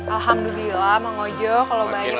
alhamdulillah mang ojo kalau bayarnya pemasukan